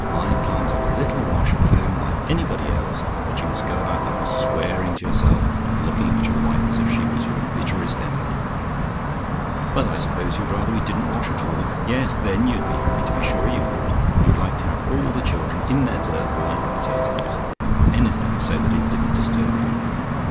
I can't have a little wash at home like anybody else but you must go about the house swearing to yourself, and looking at your wife as if she was your bitterest enemy. But I suppose you'd rather we didn't wash at all. Yes; then you'd be happy! To be sure you would you'd like to have all the children in their dirt, like potatoes: anything, so that it didn't disturb you.